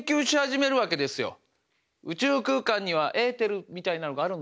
宇宙空間にはエーテルみたいなのがあるのかなって。